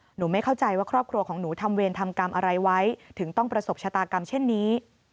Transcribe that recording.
ไม่เข้าใจว่าครอบครัวของหนูทำเวรทำกรรมอะไรไว้ถึงต้องประสบชะตากรรมเช่นนี้